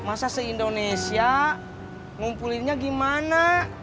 masa se indonesia ngumpulinnya gimana